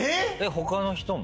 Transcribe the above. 他の人も？